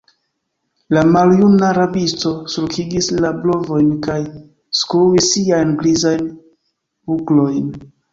La maljuna rabisto sulkigis la brovojn kaj skuis siajn grizajn buklojn.